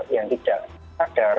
yang tidak sadar